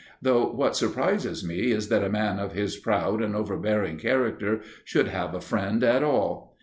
Though what surprises me is that a man of his proud and overbearing character should have a friend at all.